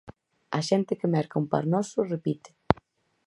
A xente que merca un par noso repite.